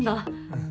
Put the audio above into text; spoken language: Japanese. うん。